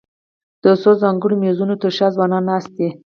د څو ځانګړو مېزونو تر شا ځوانان ناست دي.